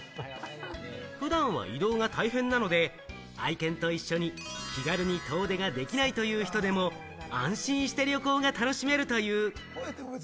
普段は移動が大変なので、愛犬と一緒に気軽に遠出ができないという人でも、安心して旅行が楽しめるという。